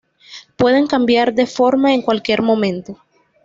Pueden cambiar de forma en cualquier momento.